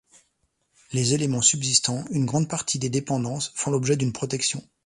Les éléments subsistant, une grande partie des dépendances, font l'objet d'une protection.